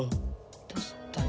どうしたの？